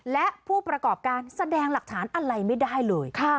และผู้ประกอบการแสดงหลักฐานอะไรไม่ได้เลย